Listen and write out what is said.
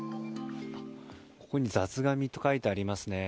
こちらに雑がみと書いてありますね。